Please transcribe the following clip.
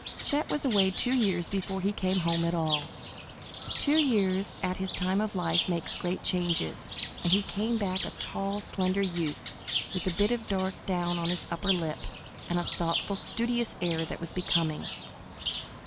Chet was away two years before he came home at all. Two years at his time of life make great changes, and he came back a tall, slender youth, with a bit of dark down on his upper lip, and a thoughtful, studious air that was becoming.